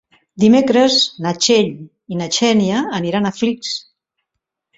Dimecres na Txell i na Xènia aniran a Flix.